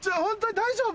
大丈夫！